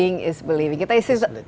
yang kita lihat adalah percaya